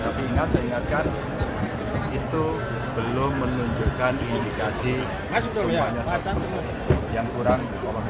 tapi ingat saya ingatkan itu belum menunjukkan indikasi semuanya yang kurang